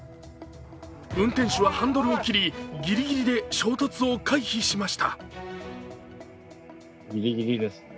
運転手はハンドルを切りぎりぎりで衝突を回避しました。